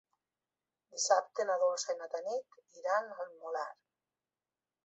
Dissabte na Dolça i na Tanit iran al Molar.